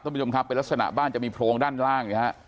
ท่านผู้ชมครับเป็นลักษณะบ้านจะมีโพงด้านล่างนะครับ